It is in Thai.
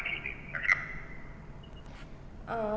คุณพ่อได้จดหมายมาที่บ้าน